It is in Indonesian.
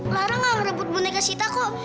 lara gak merebut boneka sita kok